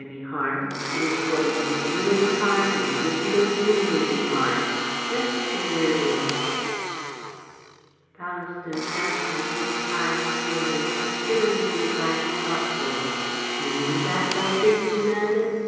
It isn't going to do you any harm, and it isn't going to do me any harm. Let it stay where it is." Ballaston fastened his tie slowly, considering the advice thoughtfully. "You mean that, Doctor?" he demanded.